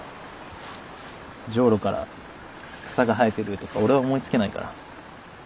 ジョウロから草が生えてるとか俺は思いつけないから。